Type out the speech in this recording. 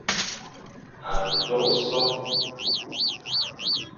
A ndôghe so,